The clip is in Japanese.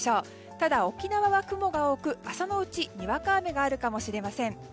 ただ、沖縄は雲が多く朝のうちはにわか雨があるかもしれません。